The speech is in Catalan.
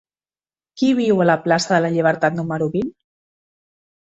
Qui viu a la plaça de la Llibertat número vint?